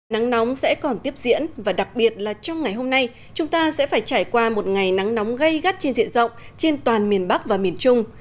nắng nóng sẽ còn tiếp diễn và đặc biệt là trong ngày hôm nay chúng ta sẽ phải trải qua một ngày nắng nóng gây gắt trên diện rộng trên toàn miền bắc và miền trung